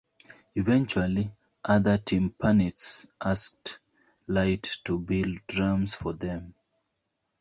Eventually, other timpanists asked Light to build drums for them.